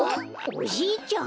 おじいちゃん。